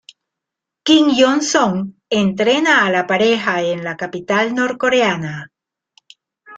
Kim Hyon-son entrena a la pareja en la capital norcoreana.